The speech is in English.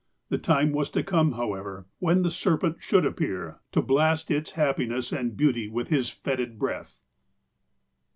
The time was to come, however, when the serpent should appear, to blast its happiness and beauty with his fetid breath.